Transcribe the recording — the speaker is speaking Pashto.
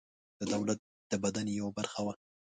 د دولت د بدن یوه برخه وه.